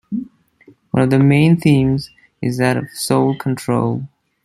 One of the main themes is that of soul control.